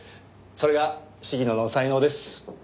それが鴫野の才能です。